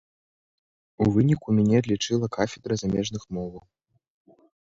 У выніку мяне адлічыла кафедра замежных моваў.